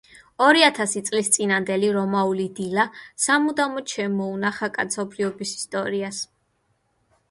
ორიათასი წლის წინანდელი რომაული დილა სამუდამოდ შემოუნახა კაცობრიობის ისტორიას.